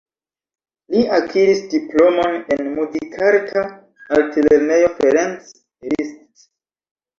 Li akiris diplomon en Muzikarta Altlernejo Ferenc Liszt.